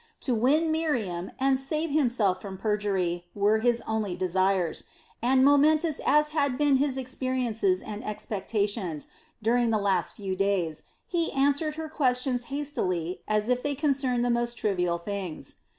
To win Miriam and save himself from perjury were his only desires, and momentous as had been his experiences and expectations, during the last few days, he answered her questions hastily, as if they concerned the most trivial things.